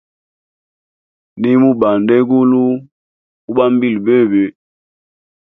Nimubanda egulu, ubambila bebe.